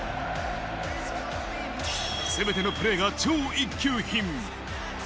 全てのプレーが超一級品。